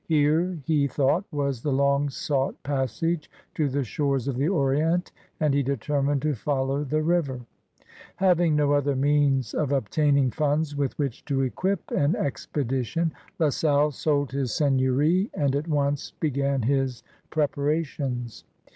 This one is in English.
Here, he 102 CRUSADERS OP NEW FRANCE thoughtt was the long sought passage to the shores of the Orient, and he determined to follow the river. Having no other means of obtaining funds with which to equip an expedition. La Salle sold his seigneury and at once b^an his preparations.